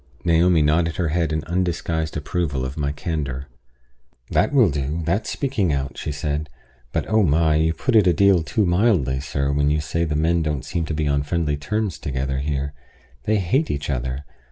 Naomi nodded her head in undisguised approval of my candor. "That will do, that's speaking out," she said. "But oh my! you put it a deal too mildly, sir, when you say the men don't seem to be on friendly terms together here. They hate each other.